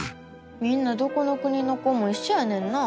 みんなどこの国の子もいっしょやねんな。